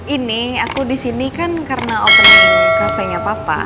ini aku disini kan karena opening cafe nya papa